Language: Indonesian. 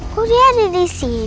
kok dia ada disini